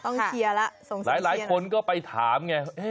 ต้องเคลียร์ละล้ายคนก็ไปถามไง